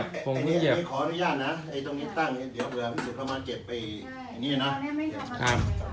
กลับมาร้อยเท้า